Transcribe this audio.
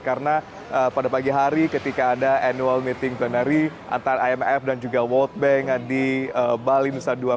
karena pada pagi hari ketika ada annual meeting binary antara imf dan juga world bank di bali nusa dua